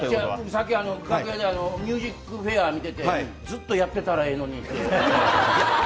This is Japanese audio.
さっき楽屋でミュージックフェア見ててずっとやってたらいいのにって。